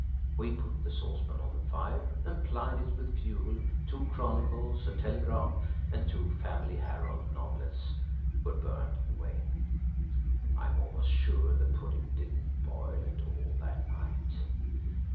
We put the saucepan on the fire and plied it with fuel–two Chronicles, a Telegraph, and two Family Herald novelettes were burned in vain. I am almost sure the pudding did not boil at all that night.